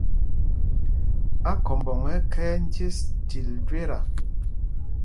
Akhɔmbɔŋ ɛ́ ɛ́ khɛɛ njes til jweta.